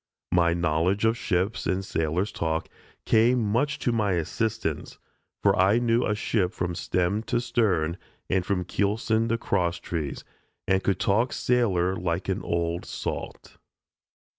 My knowledge of ships and sailor's talk came much to my assistance, for I knew a ship from stem to stern, and from keelson to cross trees, and could talk sailor like an "old salt."